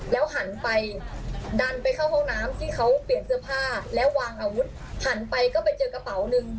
หันไปดันไปเข้าห้องน้ำที่เขาเปลี่ยนเสื้อผ้าแล้ววางอาวุธหันไปก็ไปเจอกระเป๋าหนึ่ง